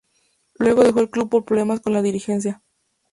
Luego dejó el club por problemas con la dirigencia.